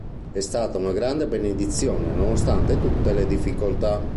È stata una grande benedizione, nonostante tutte le difficoltà.